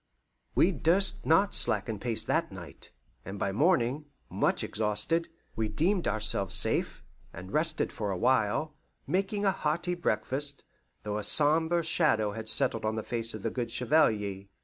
We durst not slacken pace that night, and by morning, much exhausted, we deemed ourselves safe, and rested for a while, making a hearty breakfast, though a sombre shadow had settled on the face of the good Chevalier.